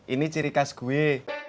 ini ciri khas gue